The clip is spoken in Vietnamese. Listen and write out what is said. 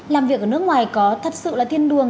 làm việc ở nước ngoài có thật sự là thiên đường